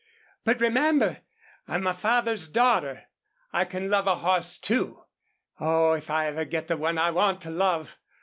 But, remember, I'm my father's daughter. I can love a horse, too. Oh, if I ever get the one I want to love!